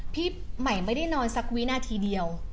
พี่ใหม่ไม่ได้นอนสักวินาทีเดียว